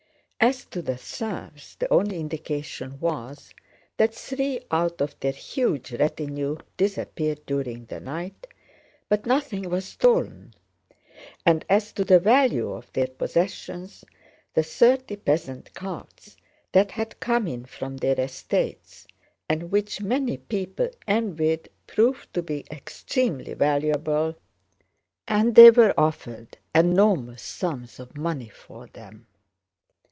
As to the serfs the only indication was that three out of their huge retinue disappeared during the night, but nothing was stolen; and as to the value of their possessions, the thirty peasant carts that had come in from their estates and which many people envied proved to be extremely valuable and they were offered enormous sums of money for them.